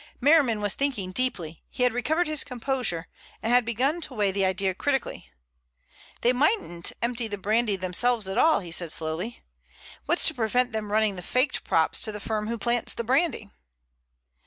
Merriman was thinking deeply. He had recovered his composure, and had begun to weigh the idea critically. "They mightn't empty the brandy themselves at all," he said slowly. "What's to prevent them running the faked props to the firm who plants the brandy?"